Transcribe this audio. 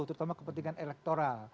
terutama kepentingan elektoral